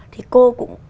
thì cô cũng